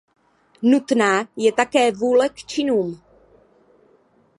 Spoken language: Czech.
Nutná je také vůle k činům.